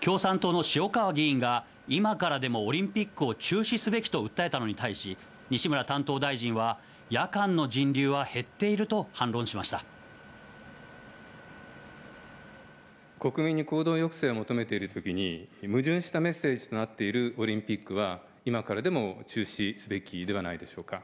共産党の塩川議員が、今からでもオリンピックを中止すべきと訴えたのに対し、西村担当大臣は、夜間の人流は減っていると反論し国民に行動抑制を求めているときに、矛盾したメッセージとなっているオリンピックは、今からでも中止すべきではないでしょうか。